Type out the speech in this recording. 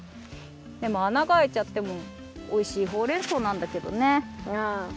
でもあながあいちゃってもおいしいほうれんそうなんだけどね。